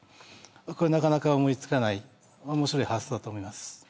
これなかなか思いつかないおもしろい発想と思います